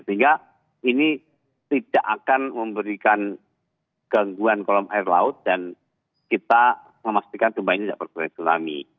sehingga ini tidak akan memberikan gangguan kolom air laut dan kita memastikan gempa ini tidak berkurang tsunami